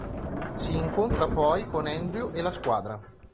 Si incontra poi con Andrew e la squadra.